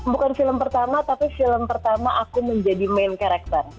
bukan film pertama tapi film pertama aku menjadi main karakter